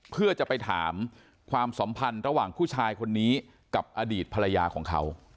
เพื่อจะไปถามความสัมพันธ์ระหว่างผู้ชายคนนี้กับอดีตภรรยาของเขา